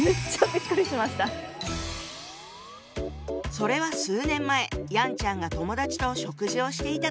それは数年前ヤンちゃんが友達と食事をしていた時のこと。